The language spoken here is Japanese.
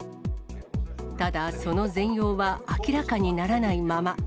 ただ、その全容は明らかにならないまま。